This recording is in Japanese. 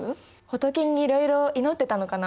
仏にいろいろ祈ってたのかな。